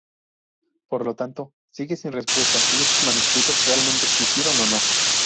Por lo tanto, sigue sin respuesta si estos manuscritos realmente existieron o no.